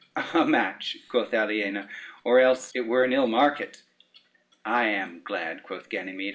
"A match," quoth Aliena, "or else it were an ill market." "I am glad," quoth Ganymede.